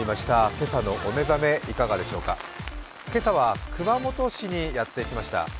今朝は熊本市にやってきました。